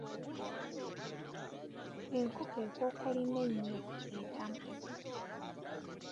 Enkoko ekookolima ennyo etama.